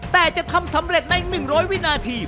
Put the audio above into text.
แต่จะทำสำเร็จใน๑๐๐วินาที